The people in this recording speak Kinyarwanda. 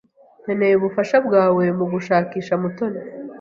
Nkeneye ubufasha bwawe mugushakisha Mutoni.